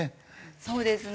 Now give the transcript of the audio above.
そうですね。